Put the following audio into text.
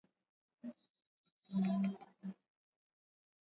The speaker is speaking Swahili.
von Schele aliongoza kikosi cha maafisa Wajerumani thelathini na tatu